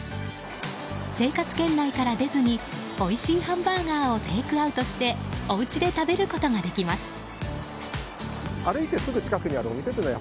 生活圏内から出ずにおいしいハンバーガーをテイクアウトしておうちで食べることができます。